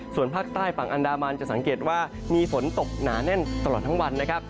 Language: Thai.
ส่วนภาคใต้ฝั่งอันดามันจะสังเกตว่ามีฝนตกหนาแน่นตลอดทั้งวันนะครับ